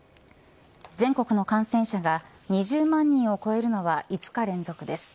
全国の感染者が２０万人を超えるのは５日連続です。